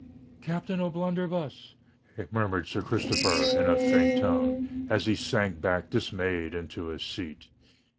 "Captain O'Blunderbuss!" murmured Sir Christopher, in a faint tone, as he sank back dismayed into his seat.